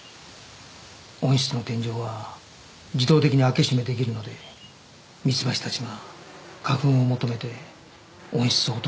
温室の天井は自動的に開け閉め出来るのでミツバチたちが花粉を求めて温室を訪れるそうです。